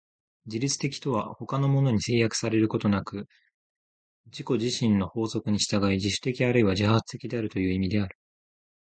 自律的とは他のものに制約されることなく自己自身の法則に従い、自主的あるいは自発的であるという意味である。